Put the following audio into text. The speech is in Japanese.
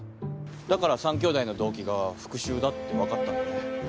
だから３兄弟の動機が復讐だって分かったんだね？